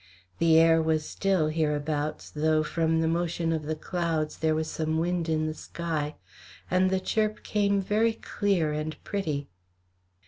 The air was still hereabouts, though from the motion of the clouds there was some wind in the sky, and the chirp came very clear and pretty.